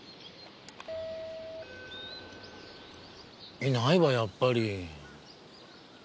いないわやっぱり。